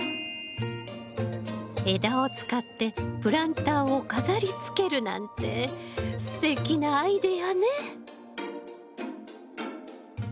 枝を使ってプランターを飾りつけるなんてすてきなアイデアね。